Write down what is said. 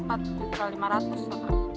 oh dengan mas siapa